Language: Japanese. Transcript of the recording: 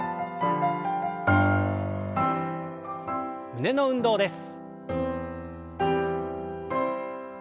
胸の運動です。